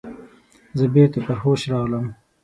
زه بیرته پر هوښ راغلم.